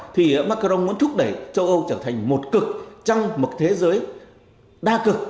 thì macron muốn thúc đẩy châu âu trở thành một cực trong một thế giới đa cực